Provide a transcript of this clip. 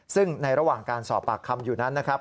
ซึ่งในระหว่างการสอบปากคำอยู่นั้นนะครับ